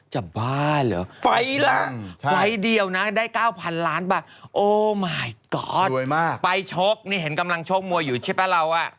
จับบ้าหรือไฟล์ทเดียวนะได้๙๐๐๐ล้านบาทโอ้มายก็อดไปชกนี่เห็นกำลังชกมัวอยู่ใช่ป่ะเราอ่ะ